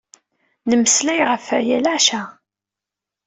Nemmeslay ɣef waya leɛca.